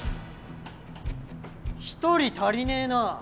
１人足りねえな。